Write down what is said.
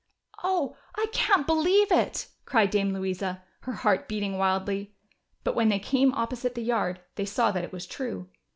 "Oh! I can't believe it," cried Dame Louisa, her heart beating wildly. But Avhen they came oj^posite the yard, they saw that it Avas true.